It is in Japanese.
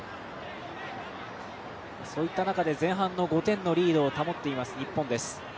そういった中で前半の５点のリードを保っています、日本です。